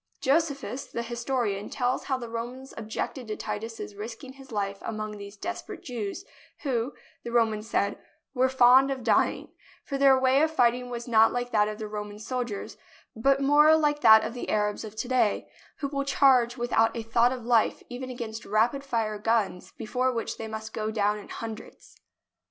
Josephus, the historian, tells how the Romans objected to Titus's risking his life among these desperate Jews, who, the Romans said, were " fond of dying," for their way of fighting was not like that of the Roman soldiers, but more like that of the Arabs of to day, who will charge without a thought of life even against rapid fire guns before which they must go down in hundreds.